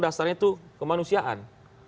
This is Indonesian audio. dasarnya itu kemanusiaan